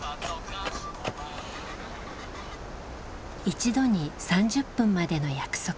一度に３０分までの約束。